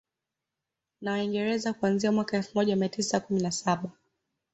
Na Waingereza kuanzia mwaka elfu moja mia tisa kumi na saba